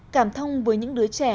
cảm thông với những đứa trẻ